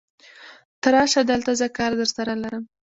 ته راشه دلته، زه کار درسره لرم.